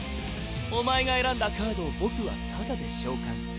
お前が選んだカードを僕はタダで召喚する。